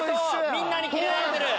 みんなにキレられてる。